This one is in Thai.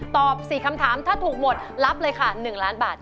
ตอบ๔คำถามถ้าถูกหมดรับเลยค่ะ๑ล้านบาท